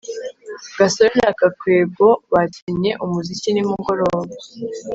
gasore na gakwego bakinnye umuziki nimugoroba